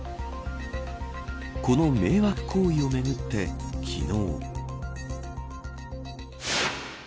この迷惑行為をめぐって昨日。